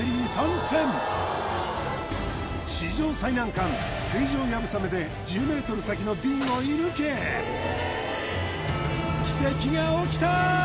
さらに水上流鏑馬で１０ｍ先のビンを射抜け奇跡が起きた！